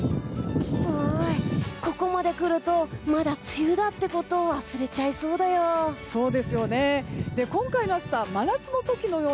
ここまでくるとまだ梅雨だってことを忘れちゃいそうだよ。